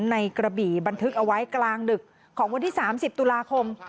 กระบี่บันทึกเอาไว้กลางดึกของวันที่๓๐ตุลาคม